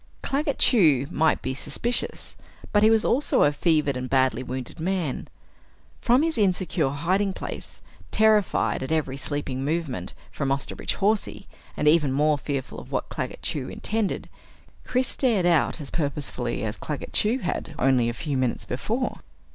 Claggett Chew might be suspicious but he was also a fevered and badly wounded man. From his insecure hiding place, terrified at every sleeping movement from Osterbridge Hawsey, and even more fearful of what Claggett Chew intended, Chris stared out as purposefully as Claggett Chew had only a few moments before.